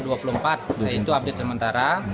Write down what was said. nah itu update sementara